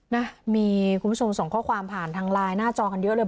นะมีคุณผู้ชมส่งข้อความผ่านทางไลน์หน้าจอกันเยอะเลย